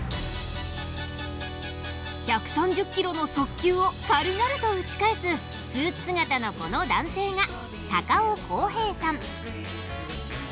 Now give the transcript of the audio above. １３０キロの速球を軽々と打ち返すスーツ姿のこの男性が尾浩平さん。